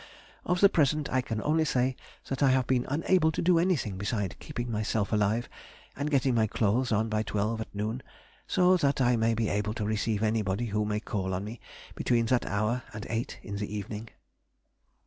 Of the present I can only say that I have been unable to do anything beside keeping myself alive, and getting my clothes on by twelve at noon, so that I may be able to receive anybody who may call on me between that hour and eight in the evening.